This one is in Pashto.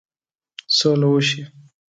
سوله وشي.